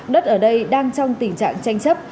đất ở đây đang trong tình trạng tranh chấp